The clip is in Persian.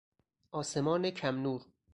آسمان کمنور